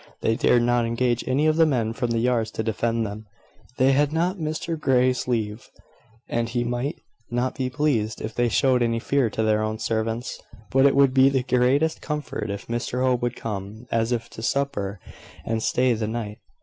They dared not engage any of the men from the yards to defend them; they had not Mr Grey's leave, and he might not be pleased if they showed any fear to their own servants: but it would be the greatest comfort if Mr Hope would come, as if to supper, and stay the night.